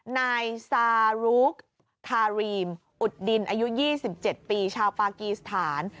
นายซารุกทารีมอุดดินอายุ๒๗ปีชาวปากีสถาน